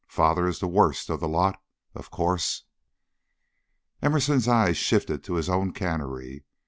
Father is the worst of the lot, of course." Emerson's eyes shifted to his own cannery.